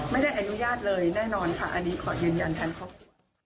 ไม่ได้อนุญาตเลยแน่นอนอันนี้ขอเย็นแทนขอบคุณ